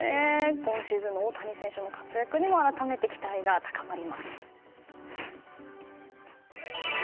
今シーズンの大谷選手の活躍にも改めて期待が高まります。